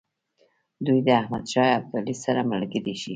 دوی د احمدشاه ابدالي سره ملګري شي.